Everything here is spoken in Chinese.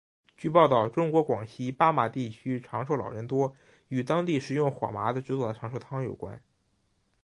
据报道中国广西巴马地区长寿老人多与当地食用火麻子制作的长寿汤有关。